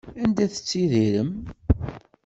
Anda tettttidirem?